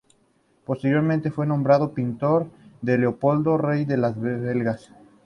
Posteriormente, fue nombrado pintor de Leopoldo, rey de los belgas.